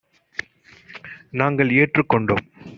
நாங்கள் ஏற்றுக் கொண்டோம்.